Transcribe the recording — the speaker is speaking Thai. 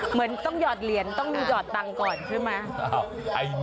เหมือนต้องหยอดเหรียญต้องหอดตังค์ก่อนใช่ไหม